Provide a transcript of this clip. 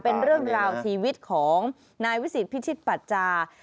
เป็นเรื่องราวชีวิตของนายวิสิตพิชิตปัจจา